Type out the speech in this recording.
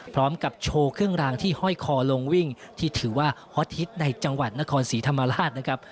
พร้อมกับโชว์เครื่องรางที่ห้อยคอลงวิ่งที่ถือว่าฮอตฮิตในจังหวัดนครศรีธรรมราชนะครับ